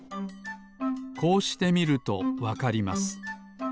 こうしてみるとわかります。